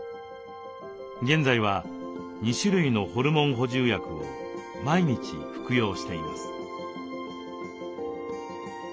現在は２種類のホルモン補充薬を毎日服用しています。